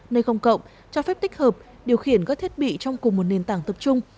nơi công cộng cho phép tích hợp điều khiển các thiết bị trong cùng một nền tảng tập trung